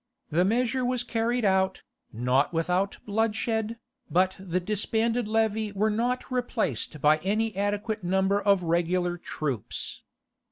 The measure was carried out, not without bloodshed, but the disbanded levy were not replaced by any adequate number of regular troops.